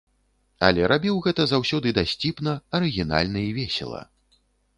Але рабіў гэта заўсёды дасціпна, арыгінальна і весела.